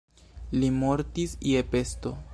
Li mortis je pesto.